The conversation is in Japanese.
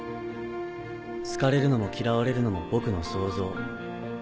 好かれるのも嫌われるのも僕の想像。